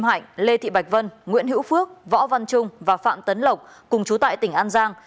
hạnh lê thị bạch vân nguyễn hữu phước võ văn trung và phạm tấn lộc cùng chú tại tỉnh an giang